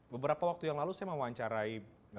beberapa waktu yang lalu saya mewawancarai